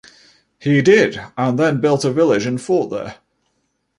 He did and then built a village and a fort there.